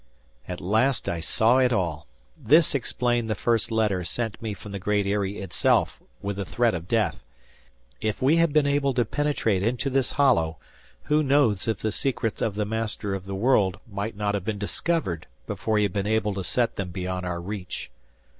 At last I saw it all! This explained the first letter sent me from the Great Eyrie itself with the threat of death. If we had been able to penetrate into this hollow, who knows if the secrets of the Master of the World might not have been discovered before he had been able to set them beyond our reach?